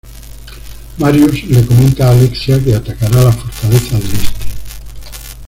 Marius le comenta a Alexia que atacara la fortaleza del este.